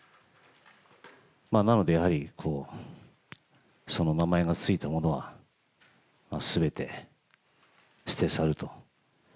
なので、やはりその名前が付いたものは、すべて捨て去ると。